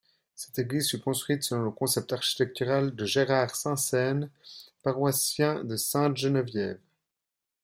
Cette église fut construite selon le concept architectural de Gérard Sincennes, paroissien de Sainte-Geneviève.